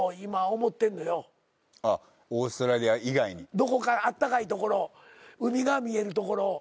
どこかあったかいところ海が見えるところ。